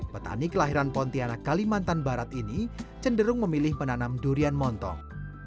petani kelahiran pontianak kalimantan barat ini cenderung memilih menanam durian montong